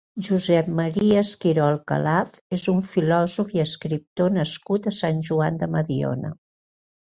Josep Maria Esquirol Calaf és un filòsof i escriptor nascut a Sant Joan de Mediona.